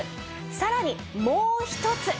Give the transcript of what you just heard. さらにもう１つ。